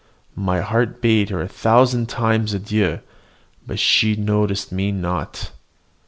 My heart bade her a thousand times adieu, but she noticed me not.